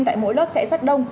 tại mỗi lớp sẽ rất đông